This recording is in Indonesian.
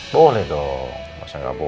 boleh dong masa nggak boleh